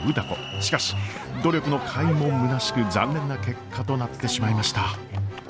しかし努力のかいもむなしく残念な結果となってしまいました。